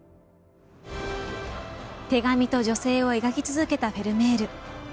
手紙と女性を描き続けたフェルメール。